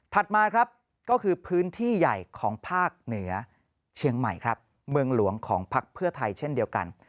มาครับก็คือพื้นที่ใหญ่ของภาคเหนือเชียงใหม่ครับเมืองหลวงของพักเพื่อไทยเช่นเดียวกัน